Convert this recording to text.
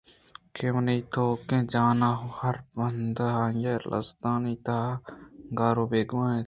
کہ منی تیوگیں جان ءِ ھر بند آئی ءِ لزّتانی تہ ءَ گار ءُ بیگواہ بیت۔